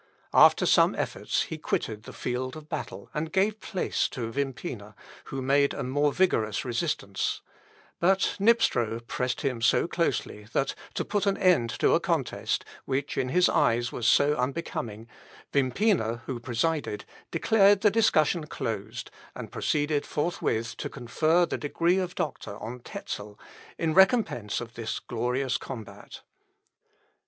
After some efforts, he quitted the field of battle, and gave place to Wimpina, who made a more vigorous resistance; but Knipstrow pressed him so closely, that, to put an end to a contest, which in his eyes was so unbecoming, Wimpina, who presided, declared the discussion closed, and proceeded forthwith to confer the degree of doctor on Tezel, in recompence of this glorious combat.